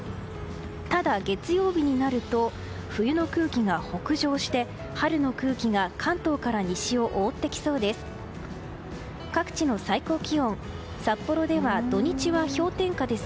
ただ月曜日になると冬の空気が北上して春の空気が関東から西を覆ってきそうです。